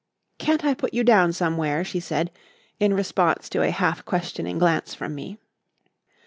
"Can't I put you down somewhere?" she said, in response to a half questioning glance from me.